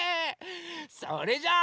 それじゃあ